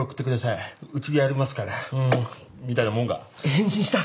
返信した？